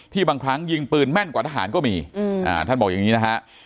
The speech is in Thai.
บางครั้งยิงปืนแม่นกว่าทหารก็มีท่านบอกอย่างนี้นะฮะ